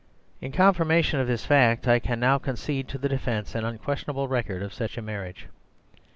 In confirmation of this fact I can now con cede to the defence an unquestionable record of such a marriage."